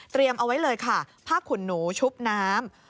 เอาไว้เลยค่ะผ้าขุนหนูชุบน้ำ